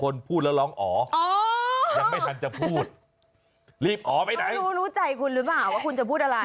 รู้ใจคุณหรือเปล่าว่าคุณจะพูดอะไร